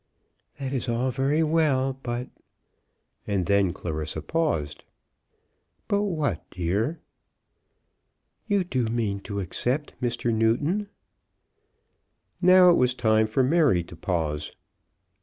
"That is all very well, but, " And then Clarissa paused. "But what, dear?" "You do mean to accept Mr. Newton?" Now it was time for Mary to pause.